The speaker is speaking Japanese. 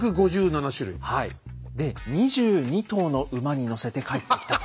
で２２頭の馬にのせて帰ってきたと。